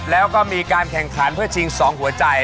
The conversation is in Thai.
แล้วก็มีการแข่งขันเพื่อชิง๒หัวใจ